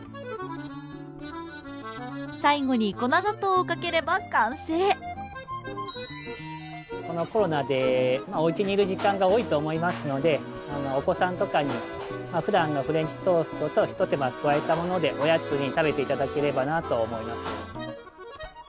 最後に粉砂糖をかければ完成このコロナでおうちにいる時間が多いと思いますのでお子さんとかにふだんのフレンチトーストと一手間加えたものでおやつに食べていただければなと思います。